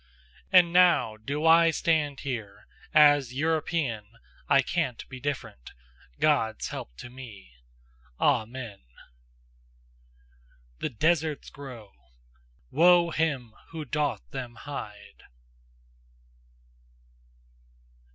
And now do I stand here, As European, I can't be different, God's help to me! Amen! THE DESERTS GROW: WOE HIM WHO DOTH THEM HIDE!